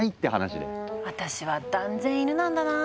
私は断然イヌなんだな。